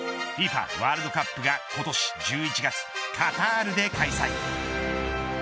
ワールドカップが今年１１月カタールで開催。